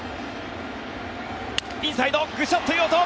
インサイドグシャっという音。